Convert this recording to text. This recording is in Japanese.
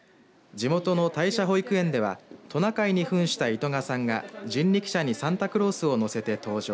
地元のたいしゃ保育園ではトナカイにふんした糸賀さんが人力車にサンタクロースを乗せて登場。